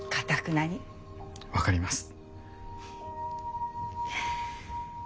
分かります。